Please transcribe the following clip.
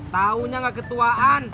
tahunya gak ketuaan